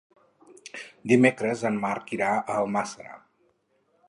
Dimecres en Marc irà a Almàssera.